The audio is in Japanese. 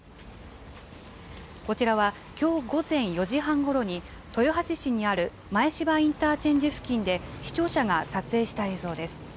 こちらは、きょう午前４時半ごろに、豊橋市にある前芝インターチェンジ付近で視聴者が撮影した映像です。